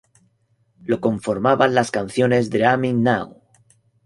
Lo conformaban las canciones Dreaming Now!